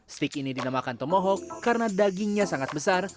stik ini dinamakan tomohok karena dagingnya sangat besar